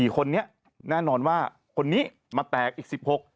๔คนนี้แน่นอนว่าคนนี้มาแตกอีก๑๖